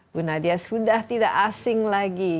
bu nadia sudah tidak asing lagi